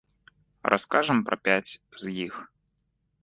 Раскажам пра пяць з іх.